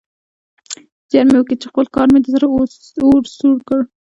زيار مې وکيښ چې پخپل کار مې د زړه اور سوړ کړ.